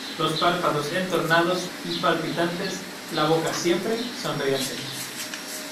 los párpados entornados y palpitantes, la boca siempre sonriente ,